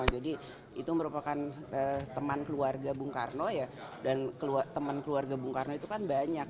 jadi itu merupakan teman keluarga bung karno ya dan teman keluarga bung karno itu kan banyak